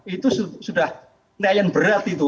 itu sudah nelayan berat itu